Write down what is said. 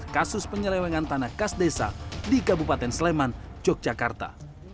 kasus penyelewengan tanah kas desa di kabupaten sleman yogyakarta